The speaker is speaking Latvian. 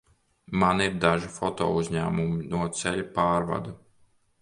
Man ir daži fotouzņēmumi no ceļa pārvada.